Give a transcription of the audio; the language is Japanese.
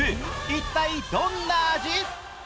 一体どんな味？